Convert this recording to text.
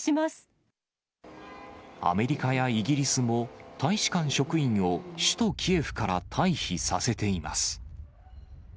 アメリカやイギリスも、大使館職員を首都キエフから退避させています。